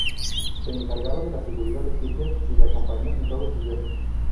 Se encargaba de la seguridad de Hitler y le acompañó en todos sus viajes.